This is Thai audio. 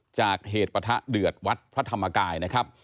จากเหตุปะทะเดือดวัดพระธรรมกายนะครับ